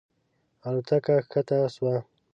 الوتکه کښته شوه.